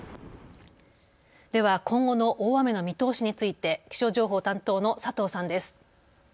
では今後の大雨の見通しについて気象情報担当の佐藤さんです。